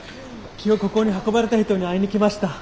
今日ここに運ばれた人に会いに来ました。